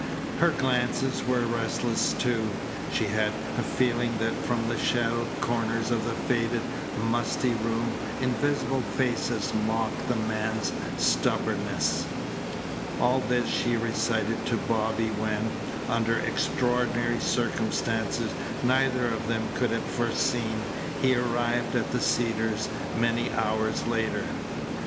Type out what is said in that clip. Her glances were restless, too. She had a feeling that from the shadowed corners of the faded, musty room invisible faces mocked the man's stubbornness. All this she recited to Bobby when, under extraordinary circumstances neither of them could have foreseen, he arrived at the Cedars many hours later.